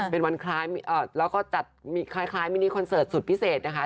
เป็นวันคล้ายแล้วก็จัดคล้ายมินิคอนเสิร์ตสุดพิเศษนะคะ